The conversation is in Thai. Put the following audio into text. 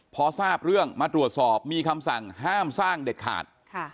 พอทราบเรื่องมาตรวจสอบมีคำสั่งห้ามสร้างเด็ดขาด